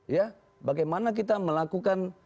ya bagaimana kita melakukan